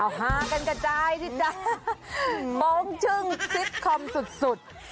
เอาฮากันกันจ้ายที่จะมองชึ้งซิตคอมสุด